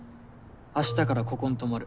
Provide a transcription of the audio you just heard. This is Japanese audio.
明日からここに泊まる。